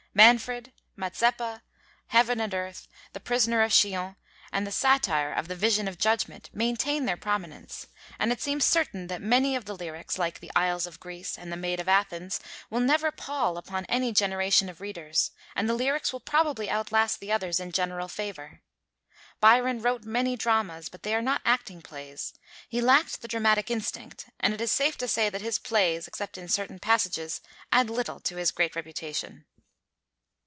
'Manfred,' 'Mazeppa,' 'Heaven and Earth,' 'The Prisoner of Chillon,' and the satire of the 'Vision of Judgment' maintain their prominence; and it seems certain that many of the lyrics, like 'The Isles of Greece' and the 'Maid of Athens,' will never pall upon any generation of readers, and the lyrics will probably outlast the others in general favor. Byron wrote many dramas, but they are not acting plays. He lacked the dramatic instinct, and it is safe to say that his plays, except in certain passages, add little to his great reputation.